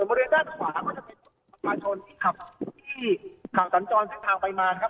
บริเวณด้านขวาก็จะเป็นประชาชนที่ขับที่ขับสัญจรเส้นทางไปมานะครับ